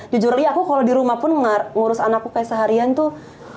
jujurly aku kalau di rumah pun ngurus anakku kayak seharian tuh